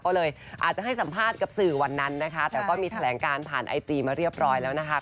ก็เลยอาจจะให้สัมภาษณ์กับสื่อวันนั้นนะคะแต่ก็มีแถลงการผ่านไอจีมาเรียบร้อยแล้วนะคะ